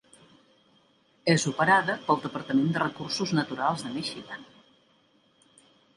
És operada pel Departament de Recursos Naturals de Michigan.